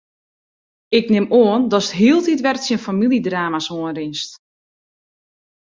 Ik nim oan datst hieltyd wer tsjin famyljedrama's oanrinst?